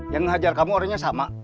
yang ngajar kamu orangnya sama